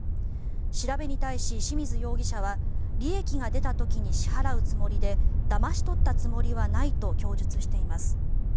調べに対し、清水容疑者は利益が出た時に支払うつもりでだまし取ったつもりはないと供述しています。